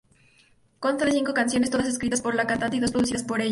Consta de cinco canciones, todas escritas por la cantante y dos producidas por ella.